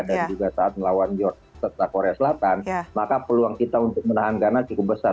dan juga saat melawan south korea selatan maka peluang kita untuk menahan ghana cukup besar